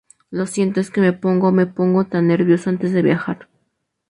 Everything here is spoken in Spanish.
Lo siento. Es que me pongo me pongo tan nervioso antes de viajar.